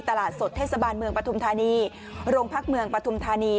ตลาดสดเทศบาลเมืองปฐุมธานีโรงพักเมืองปฐุมธานี